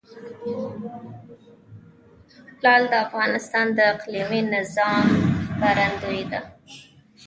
لعل د افغانستان د اقلیمي نظام ښکارندوی ده.